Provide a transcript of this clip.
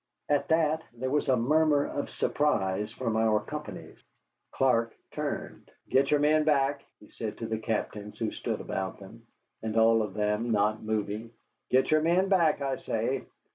At that there was a murmur of surprise from our companies. Clark turned. "Get your men back," he said to the captains, who stood about them. And all of them not moving: "Get your men back, I say.